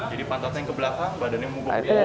jadi pantatnya yang ke belakang badannya yang membungkuk